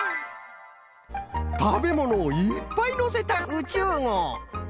たべものをいっぱいのせた「宇宙号」。